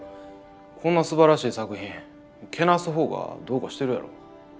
こんなすばらしい作品けなす方がどうかしてるやろ。